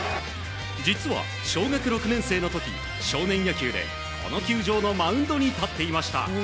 実は小学６年生の時少年野球でこの球場のマウンドに立っていました。